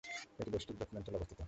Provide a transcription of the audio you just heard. এটি দেশটির দক্ষিণ অঞ্চলে অবস্থিত।